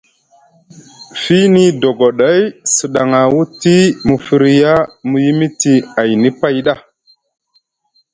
Fiini dogoɗay sɗaŋa wuti mu firya mu yimiti ayni pay ɗa.